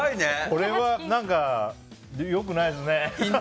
これは、良くないですね。